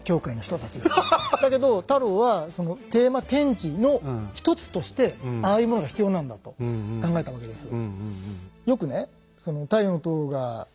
だけど太郎はそのテーマ展示の一つとしてああいうものが必要なんだと考えたわけです。